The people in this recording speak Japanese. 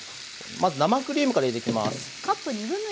まず生クリームから入れていきます。